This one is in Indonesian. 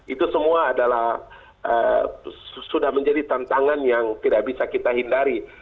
itu semua adalah sudah menjadi tantangan yang tidak bisa kita hindari